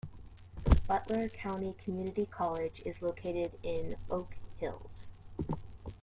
Butler County Community College is located in Oak Hills.